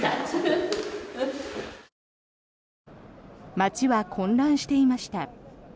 街は混乱していました。